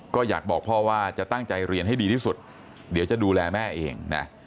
ก็อยากบอกพ่อว่าจะตั้งใจเรียนให้ดีที่สุดเดี๋ยวจะดูแลแม่เองนะ